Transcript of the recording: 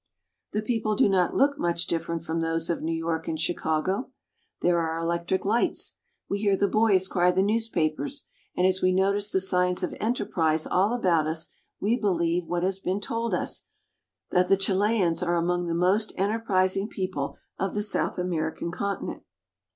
The people do not look much different from those of New York and Chicago. There are electric lights. We hear the boys cry the newspapers, and as we notice the signs of enterprise all about us we believe what has been told us, that the Chileans are among the most enterpris ing people of the South American continent.